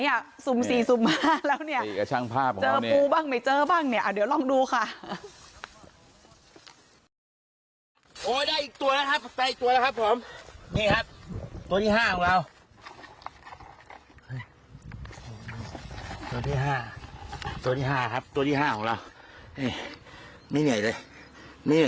นี่ไม่เหนื่อยเลยไม่เหนื่อยอย่างงี้